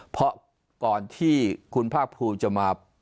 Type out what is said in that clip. เพราะก่อนที่คุณภาคภูมิจะมา